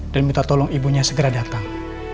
dan minta tolong ibunya segera datang